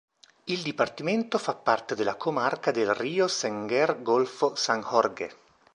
Il dipartimento fa parte della comarca del Río Senguer-golfo San Jorge.